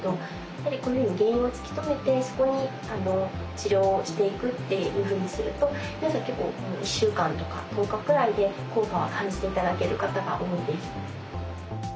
やっぱりこういうふうに原因を突き止めてそこに治療をしていくっていうふうにすると皆さん結構１週間とか１０日くらいで効果は感じて頂ける方が多いです。